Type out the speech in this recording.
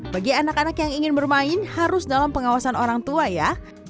bagi anak anak yang ingin bermain harus dalam pengawasan orang tua ya